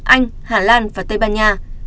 anh hà lan và tây ban nha